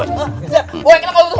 wah kenapa lo tuh pak rw